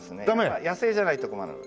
野生じゃないと困る。